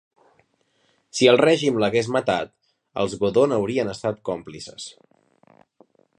Si el règim l'hagués matat, els Godó n'haurien estat còmplices.